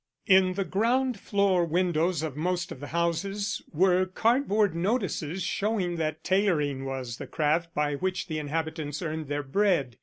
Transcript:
In the ground floor windows of most of the houses were cardboard notices showing that tailoring was the craft by which the inhabitants earned their bread.